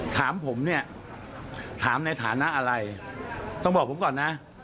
ถามผมเนี่ยถามในฐานะอะไรต้องบอกผมก่อนนะ